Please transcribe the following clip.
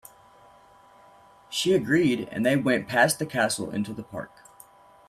She agreed, and they went past the Castle into the Park.